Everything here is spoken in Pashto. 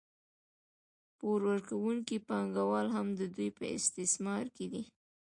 پور ورکوونکي پانګوال هم د دوی په استثمار کې دي